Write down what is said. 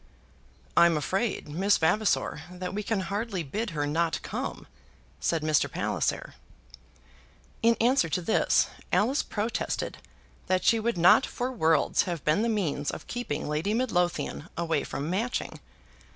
"I'm afraid, Miss Vavasor, that we can hardly bid her not come," said Mr. Palliser. In answer to this, Alice protested that she would not for worlds have been the means of keeping Lady Midlothian away from Matching.